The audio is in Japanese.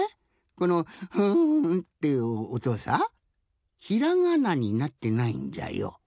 この「ふんふふん」っていうおとさひらがなになってないんじゃよ。